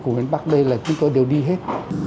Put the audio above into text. của miền bắc đây là chúng tôi đều đi hết